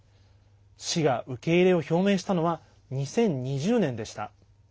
市が受け入れを表明したのは２０２０年でした。